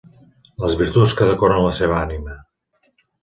Les virtuts que decoren la seva ànima.